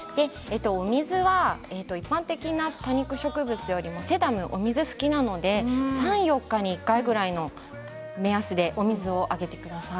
水は一般的な多肉植物よりはセダムはお水が好きなので３、４日に１回ぐらいの目安であげてください。